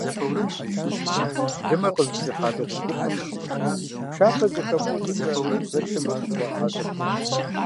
Лымэ къызыщӏихьа дыгъужь гупым, пшапэ зэхэмыуэ щӀыкӀэ, зэрыщэкӀуэнум зыхуагъэхьэзыр.